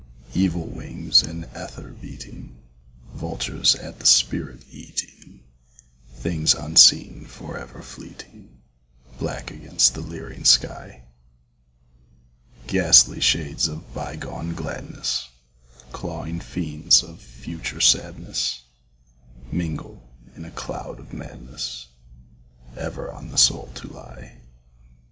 Evil wings in ether beating; Vultures at the spirit eating; Things unseen forever fleeting Black against the leering sky. Ghastly shades of bygone gladness, Clawing fiends of future sadness, Mingle in a cloud of madness Ever on the soul to lie.